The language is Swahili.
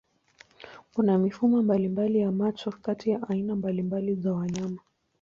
Kuna mifumo mbalimbali ya macho kati ya aina mbalimbali za wanyama.